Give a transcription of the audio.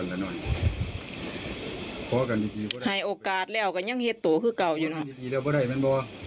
มาขออีกอย่างเดิน